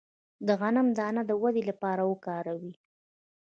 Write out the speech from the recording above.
د غنم دانه د ودې لپاره وکاروئ